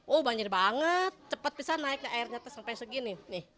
oh banjir banget cepat bisa naiknya airnya sampai segini